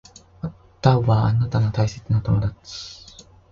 歌はあなたの大切な友達